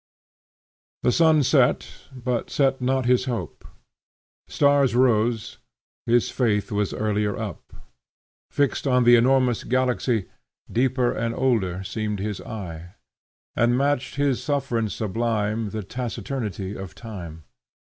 The sun set; but set not his hope: Stars rose; his faith was earlier up: Fixed on the enormous galaxy, Deeper and older seemed his eye: And matched his sufferance sublime The taciturnity of time.